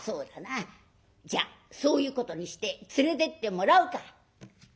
じゃあそういうことにして連れてってもらうか」。